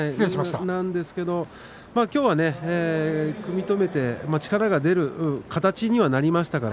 ただ、きょうは組み止めて力が出る形にはなりました。